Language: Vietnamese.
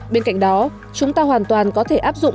bên cạnh đó chúng ta hoàn toàn có thể áp dụng